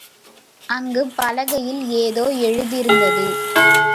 அங்கு பலகையில் ஏதோ எழுதியிருந்தது.